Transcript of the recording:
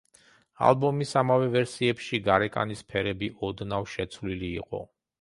ალბომის ამავე ვერსიებში გარეკანის ფერები ოდნავ შეცვლილი იყო.